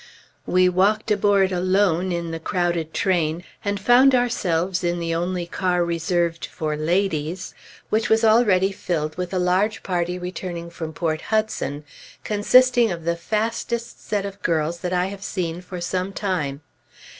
We walked aboard alone, in the crowded train, and found ourselves in the only car reserved for ladies, which was already filled with a large party returning from Port Hudson, consisting of the fastest set of girls that I have seen for some time.